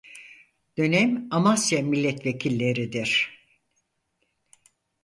Dönem Amasya milletvekilleridir.